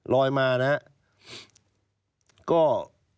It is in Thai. ลอยมานะครับ